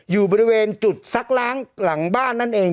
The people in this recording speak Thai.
อยู่บริเวณจุดซักล้างหลังบ้านนั่นเอง